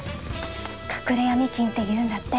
隠れヤミ金って言うんだって。